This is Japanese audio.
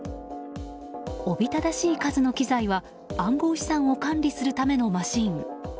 おびただしい数の機材は暗号資産を管理するためのマシン。